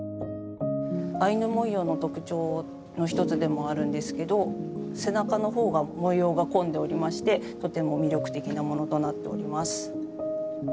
アイヌ文様の特徴の一つでもあるんですけど背中の方が模様が込んでおりましてとても魅力的なものとなっております。